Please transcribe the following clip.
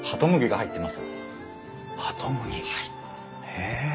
へえ！